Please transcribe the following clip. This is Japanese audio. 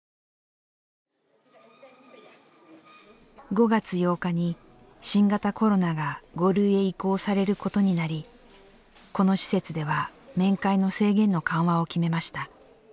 ５月８日に新型コロナが５類へ移行されることになりこの施設では面会の制限の緩和を決めました。